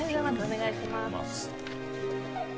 お願いします。